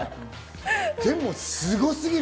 でもすごすぎる。